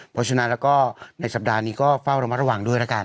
เพราะฉะนั้นแล้วก็ในสัปดาห์นี้ก็เฝ้าระมัดระวังด้วยแล้วกัน